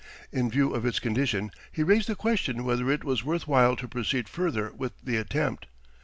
In view of its condition he raised the question whether it was worth while to proceed further with the attempt.